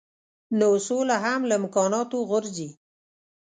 نو سوله هم له امکاناتو غورځي.